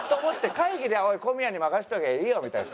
会議では「おい小宮に任せときゃいいよ」みたいな。